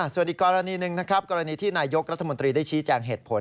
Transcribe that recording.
ส่วนอีกกรณีหนึ่งนะครับกรณีที่นายกรัฐมนตรีได้ชี้แจงเหตุผล